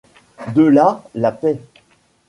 De là la paix.